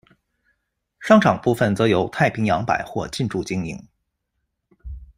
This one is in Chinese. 商场部份则由太平洋百货进驻经营。